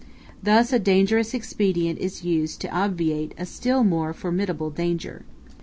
Thus a dangerous expedient is used to obviate a still more formidable danger.